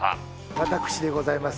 私でございます。